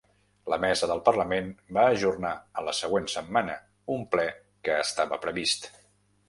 La mesa del Parlament va ajornar a la següent setmana un ple que estava previst.